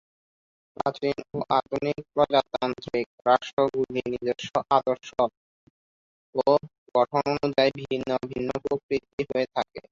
প্রাচীন ও আধুনিক প্রজাতান্ত্রিক রাষ্ট্রগুলি নিজস্ব আদর্শ ও গঠন অনুযায়ী ভিন্ন ভিন্ন প্রকৃতির হয়ে থাকে।